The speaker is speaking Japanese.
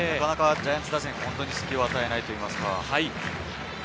ジャイアンツ打線に隙を与えないというか。